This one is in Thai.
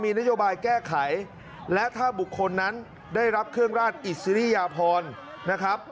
นโยบายแก้ไขและถ้าบุคคลนั้นได้รับเครื่องราชอิสริยพรนะครับ